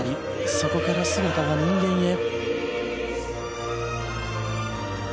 そこから姿は人間へ。